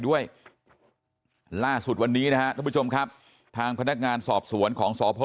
ด้วยล่าสุดวันนี้นะครับท่านผู้ชมครับทางพนักงานสอบสวนของสพ